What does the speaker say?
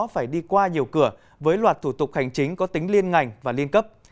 phải đi qua nhiều cửa với loạt thủ tục hành chính có tính liên ngành và liên cấp